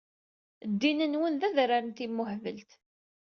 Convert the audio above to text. Ddin-nwen d adrar n timmuhbelt.